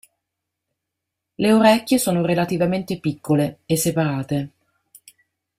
Le orecchie sono relativamente piccole e separate.